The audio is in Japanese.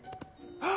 ああ。